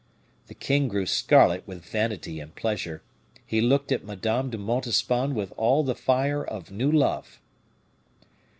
The king grew scarlet with vanity and pleasure; he looked at Madame de Montespan with all the fire of new love.